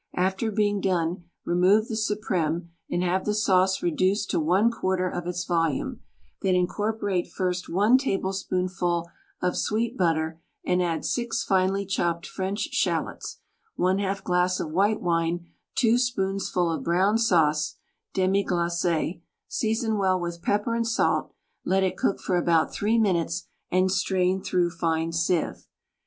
After being done remove the supreme and have the sauce reduced to one quarter of its volume, then incorporate first one table spoonful of sweet butter and add six finely chopped French shallots, one half glass of white wine, two spoons ful of brown sauce (demi glace), season well with pepper and salt, let it cook for about three minutes, and strain through fine sieve.